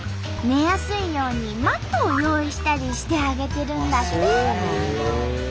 寝やすいようにマットを用意したりしてあげてるんだって！